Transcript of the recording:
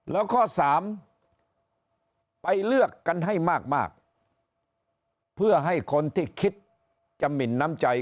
แล้วข้อสามไปเลือกกันให้มากเพื่อให้คนที่คิดจะหมินน้ำใจ